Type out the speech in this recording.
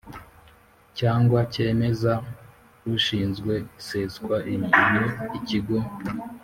Cyangwa cyemeza ushinzwe iseswa iyo ikigo